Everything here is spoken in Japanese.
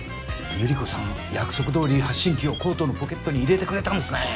百合子さん約束どおり発信器をコートのポケットに入れてくれたんですね。